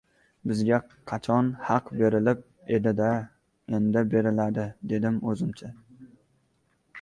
Bizga qachon haq berilib edi-da, endi beriladi! — dedim o‘zimcha